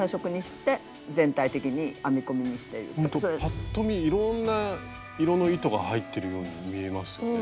パッと見いろんな色の糸が入ってるように見えますよね。